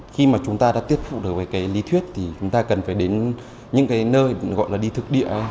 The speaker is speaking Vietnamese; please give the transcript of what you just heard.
khi mà chúng ta đã tiết phụ được với cái lý thuyết thì chúng ta cần phải đến những cái nơi gọi là đi thực địa